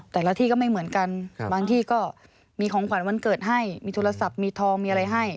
แต่ละที่ก็ไม่เหมือนกันบางที่ก็มีของขวัญวันเกิดให้มีโทรศัพท์มีทองมีอะไรให้